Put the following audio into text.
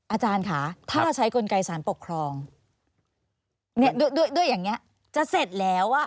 อาจารย์คะถ้าใช้กลไกสารปกครองด้วยอย่างนี้จะเสร็จแล้ว